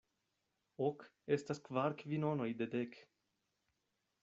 Ok estas kvar kvinonoj de dek.